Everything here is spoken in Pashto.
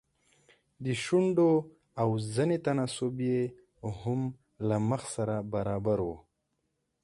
د شونډو او زنې تناسب يې هم له مخ سره برابر و.